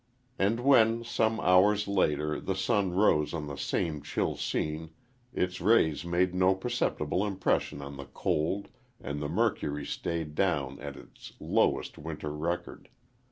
And when, some hours later, the sun rose on the same chill scene its rays made no perceptible impression on the cold and the mercury stayed down at its lowest winter record.